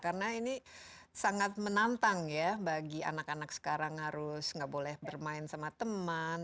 karena ini sangat menantang ya bagi anak anak sekarang harus tidak boleh bermain sama teman